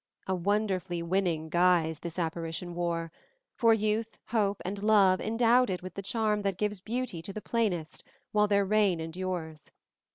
A wonderfully winning guise this apparition wore, for youth, hope, and love endowed it with the charm that gives beauty to the plainest, while their reign endures.